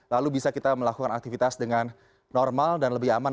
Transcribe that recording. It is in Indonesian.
lalu bisa kita melakukan aktivitas dengan normal dan lebih aman